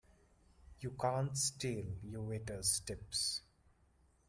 You can't steal your waiters' tips!